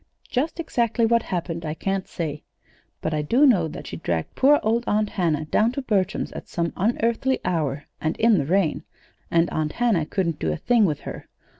Just exactly what happened I can't say, but I do know that she dragged poor old Aunt Hannah down to Bertram's at some unearthly hour, and in the rain; and Aunt Hannah couldn't do a thing with her.